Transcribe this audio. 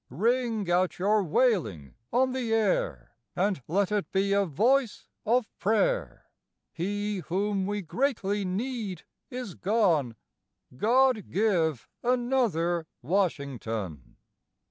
Ring out your wailing on the air, And let it be a voice of prayer; He whom we greatly need is gone; God give another Washington.